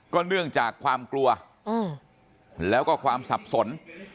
เนื่องจากความกลัวแล้วก็ความสับสน